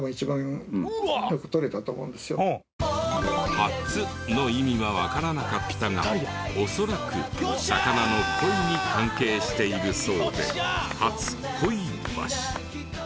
「初」の意味はわからなかったが恐らく魚の鯉に関係しているそうで初鯉橋。